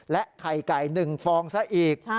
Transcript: ไข่ไก่๑ฟองซะอีก